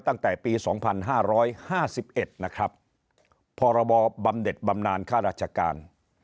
ตั้งแต่ปีสองพันห้าร้อยห้าสิบเอ็ดนะครับพรบบำเด็ดบำนานค่าราชการ